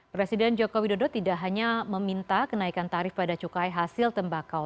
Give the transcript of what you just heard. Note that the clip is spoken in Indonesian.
presiden joko widodo tidak hanya meminta kenaikan tarif pada cukai hasil tembakau